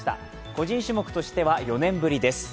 個人種目としては４年ぶりです。